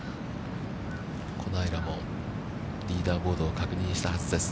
小平も、リーダーボードを確認したはずです。